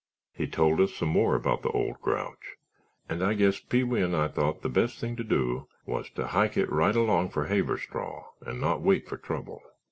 He told us some more about the old grouch, and I guess Pee wee and I thought the best thing to do was to hike it right along for Haverstraw and not wait for trouble.